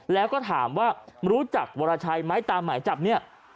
แล้วก็ถามว่ารู้จักวรชัยไหมตามหมายจับเนี่ย